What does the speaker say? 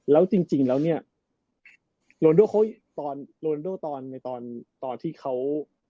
แล้วจริงแล้วเนี่ยโรนโดเขาตอนโรนโดตอนในตอนที่เขา